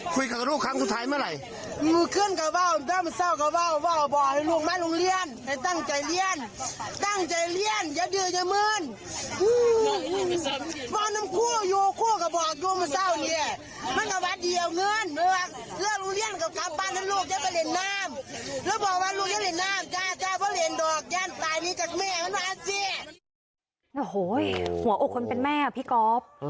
ปล่อยเลียนโดกย่านตายนี้จากแม่ขนาดสิโอ้โหหัวโอคนเป็นแม่ค่ะพี่กอฟ